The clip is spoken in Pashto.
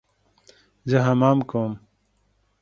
زه حمام کوم